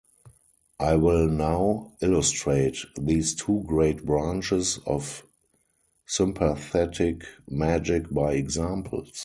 I will now illustrate these two great branches of sympathetic magic by examples.